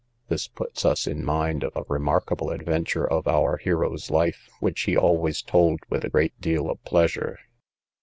This puts us in mind of a remarkable adventure of our hero's life, which he always told with a great deal of pleasure.